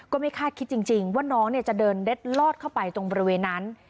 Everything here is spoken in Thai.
ไม่คาดคิดจริงว่าน้องจะเดินเล็ดลอดเข้าไปตรงบริเวณนั้น